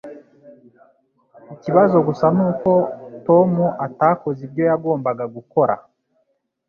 Ikibazo gusa ni uko Tom atakoze ibyo yagombaga gukora.